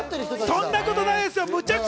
そんなことないですよ！